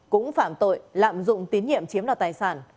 cũng phạm tội lạm dụng tín nhiệm chiếm đoạt tài sản